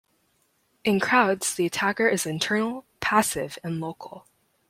In Crowds the attacker is internal, passive, and local.